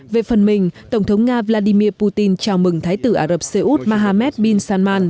về phần mình tổng thống nga vladimir putin chào mừng thái tử ả rập xê út mahammed bin salman